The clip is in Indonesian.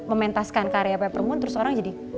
mementaskan karya peppermoon terus orang jadi